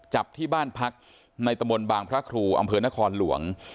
จับที่บ้านพักในตะมนต์บางพระครูอำเภอนครหลวง